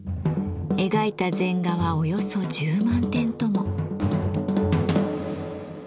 描いた禅画はおよそ１０万点とも。